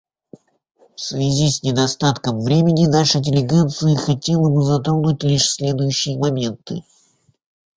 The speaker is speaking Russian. В связи с недостатком времени наша делегация хотела бы затронуть лишь следующие моменты.